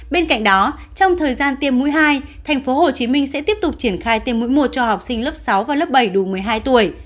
bên cạnh đó trong thời gian tiêm mũi hai tp hcm sẽ tiếp tục triển khai tiêm mũi một cho học sinh lớp sáu và lớp bảy đủ một mươi hai tuổi